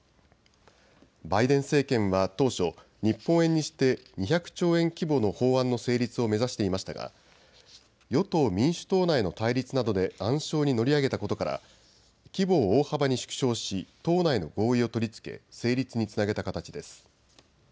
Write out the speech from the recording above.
バイデン政権は当初、日本円にして２００兆円規模の法案の成立を目指していましたが与党民主党内の対立などで暗礁に乗り上げたことから規模を大幅に縮小し党内の合意を取りつけ成立につなげた形です。